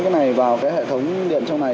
cái này vào hệ thống điện trong này